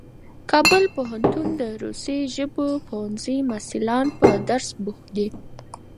کابل پوهنتون د روسي ژبو پوهنځي کې محصلان په درس بوخت دي.